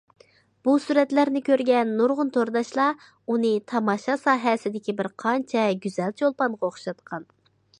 بۇ سۈرەتلەرنى كۆرگەن نۇرغۇن تورداشلار ئۇنى تاماشا ساھەسىدىكى بىر قانچە گۈزەل چولپانغا ئوخشاتقان.